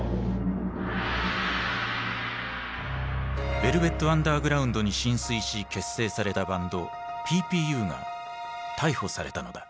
ヴェルヴェット・アンダーグラウンドに心酔し結成されたバンドＰＰＵが逮捕されたのだ。